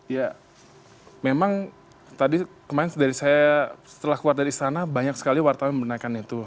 ya memang tadi kemarin dari saya setelah keluar dari istana banyak sekali wartawan menaikkan itu